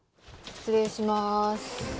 失礼します！